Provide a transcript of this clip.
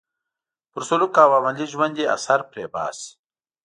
پر سلوک او عملي ژوند یې اثر پرې باسي.